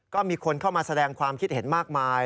ก็มีคนเข้ามาแสดงความคิดเห็นมากมาย